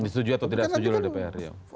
disetujui atau tidak setuju oleh dpr